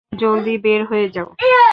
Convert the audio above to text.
জলদি বের হয়ে যাও।